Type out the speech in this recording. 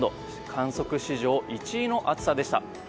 観測史上１位の暑さでした。